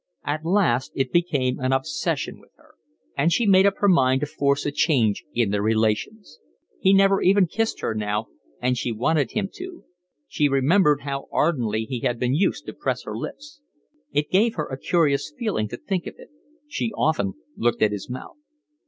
At last it became an obsession with her, and she made up her mind to force a change in their relations. He never even kissed her now, and she wanted him to: she remembered how ardently he had been used to press her lips. It gave her a curious feeling to think of it. She often looked at his mouth.